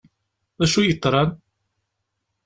D acu i yeḍran?